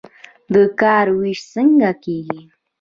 د کار ویش څنګه کیږي؟